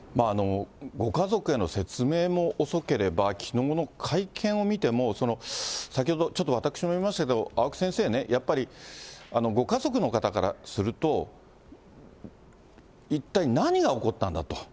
ご家族への説明も遅ければ、きのうの会見を見ても、先ほど、ちょっと私も言いましたけど、青木先生ね、やっぱりご家族の方からすると、一体何が起こったんだと。